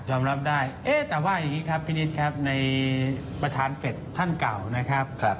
แต่ว่าอย่างนี้ครับพี่นีทครับในประธานเฟ็ดค่านเก่านะครับครับ